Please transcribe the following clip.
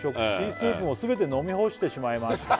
「スープも全て飲み干してしまいました」